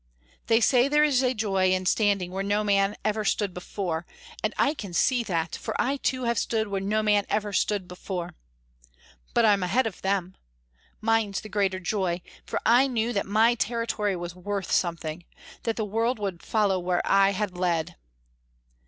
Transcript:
They say there is a joy in standing where no man ever stood before, and I can see that, for I too have stood where no man ever stood before! But I'm ahead of them mine's the greater joy for I knew that my territory was worth something that the world would follow where I had led!"